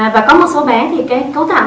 và có một số bé thì cái cấu tạo